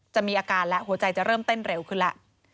จะมีอาการและหัวใจจะเริ่มเต้นเร็วขึ้นแล้ว